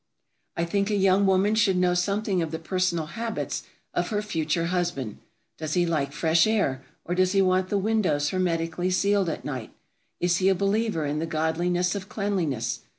I think a young woman should know something of the personal habits of her future husband. Does he like fresh air, or does he want the windows hermetically sealed at night. Is he a believer in the godliness of cleanliness?